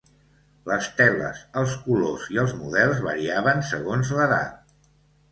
Les teles, els colors i els models variaven segons l'edat.